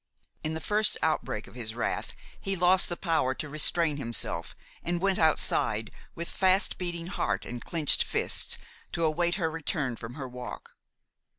In the first outbreak of his wrath he lost the power to restrain himself and went outside, with fast beating heart and clenched fists, to await her return from her walk.